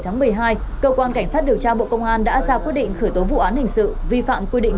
ngày một mươi bảy một mươi hai cơ quan cảnh sát điều trao bộ công an đã ra quyết định khởi tố vụ án hình sự vi phạm quy định